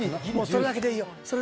それだけでいいよ。